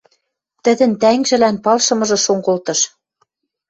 Тӹдӹн тӓнгжӹлӓн палшымыжы шон колтыш.